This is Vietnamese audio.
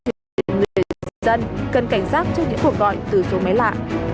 cho những người dân cần cảnh giác cho những hộp gọi từ số máy lạ